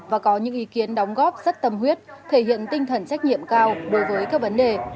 và có những ý kiến đóng góp rất tâm huyết thể hiện tinh thần trách nhiệm cao đối với các vấn đề